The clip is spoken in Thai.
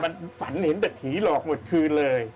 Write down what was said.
มันฝันเห็นแต่ผีหลอกหมดคืนเลย